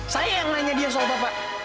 saya yang nanya dia soal bapak